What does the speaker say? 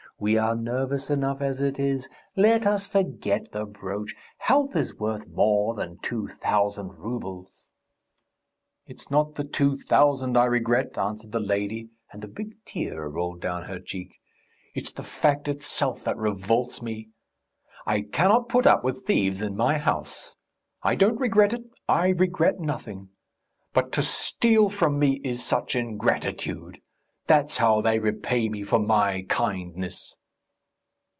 "We are nervous enough as it is. Let us forget the brooch! Health is worth more than two thousand roubles!" "It's not the two thousand I regret," answered the lady, and a big tear rolled down her cheek. "It's the fact itself that revolts me! I cannot put up with thieves in my house. I don't regret it I regret nothing; but to steal from me is such ingratitude! That's how they repay me for my kindness...."